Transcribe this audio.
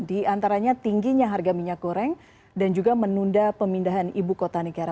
di antaranya tingginya harga minyak goreng dan juga menunda pemindahan ibu kota negara